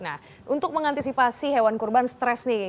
nah untuk mengantisipasi hewan kurban stres nih